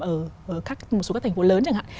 ở một số các thành phố lớn chẳng hạn